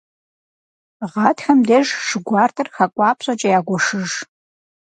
Гъатхэм деж шы гуартэр хакӏуапщӏэкӏэ ягуэшыж.